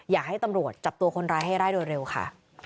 อยากให้ตำรวจจับตัวคนร้ายให้ได้โดยเร็วค่ะ